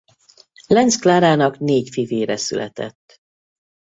Lenz Klárának négy fivére született.